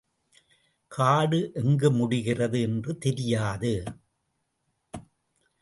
காடு எங்கு முடிகிறது என்று தெரியாது.